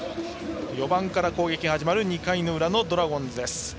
４番から攻撃が始まる２回の裏のドラゴンズです。